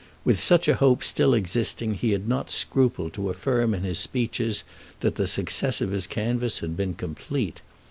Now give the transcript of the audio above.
With such a hope still existing he had not scrupled to affirm in his speeches that the success of his canvass had been complete.